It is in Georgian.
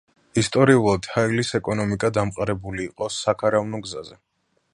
ისტორიულად ჰაილის ეკონომიკა დამყარებული იყო საქარავნო გზაზე.